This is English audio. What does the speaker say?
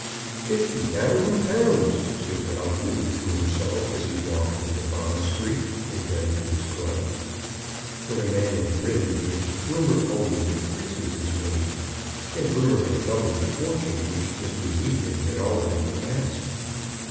"Fifty thousand pounds!" said Ralph Newton to himself, as he walked into Bond Street and down to his club. When a man is really rich rumour always increases his money, and rumour had doubled the fortune which Mr. Neefit had already amassed.